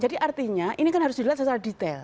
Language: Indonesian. artinya ini kan harus dilihat secara detail